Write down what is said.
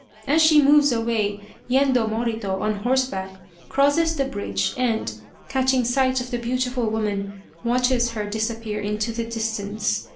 As she moves away Yendo Morito, on horseback, crosses the bridge and, catching sight of the beautiful woman, watches her disappear into the distance.